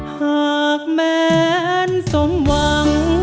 หากแมนสมหวัง